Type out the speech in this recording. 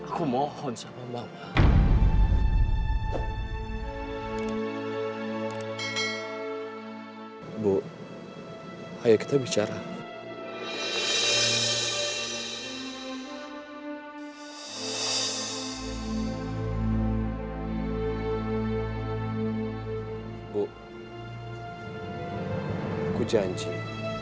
aku akan merawat siva sebaik mungkin